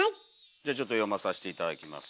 じゃちょっと読まさして頂きます。